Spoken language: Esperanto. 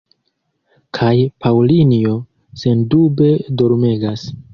Kaj Paŭlinjo, sendube, dormegas.